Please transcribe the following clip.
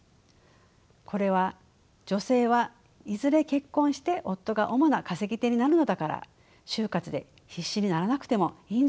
これは「女性はいずれ結婚して夫が主な稼ぎ手になるのだから就活で必死にならなくてもいいんじゃない？